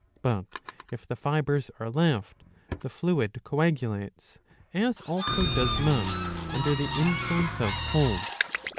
But if the fibres are left the fluid coagulates, as also does mud, under the influence of cold.